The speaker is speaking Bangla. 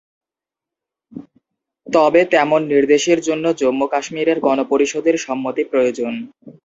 তবে তেমন নির্দেশের জন্য জম্মু কাশ্মীরের গণপরিষদের সম্মতি প্রয়োজন।